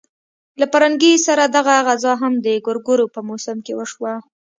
له پرنګي سره دغه غزا هم د ګورګورو په موسم کې وشوه.